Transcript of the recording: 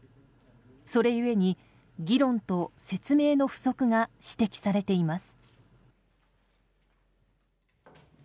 それゆえに議論と説明の不足が指摘されています。